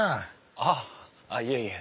あっいえいえ